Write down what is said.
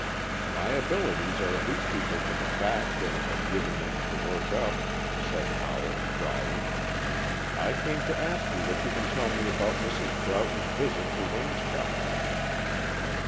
"My abilities are at least equal to the facts that have been given them to work up," said Howell, drily. "I came to ask you what you can tell me about Mrs. Broughton's visit to Waynscott."